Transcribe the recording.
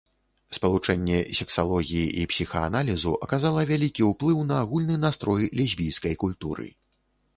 Спалучэнне сексалогіі і псіхааналізу аказала вялікі ўплыў на агульны настрой лесбійскай культуры.